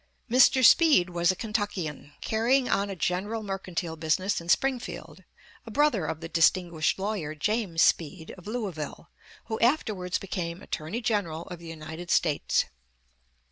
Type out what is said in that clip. Mr. Speed was a Kentuckian, carrying on a general mercantile business in Springfield a brother of the distinguished lawyer, James Speed, of Louisville, who afterwards became Attorney General of the United States.